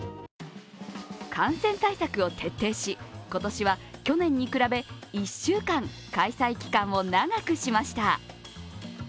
感染対策を徹底し今年は去年に比べ１週間、開催期間を長くしました。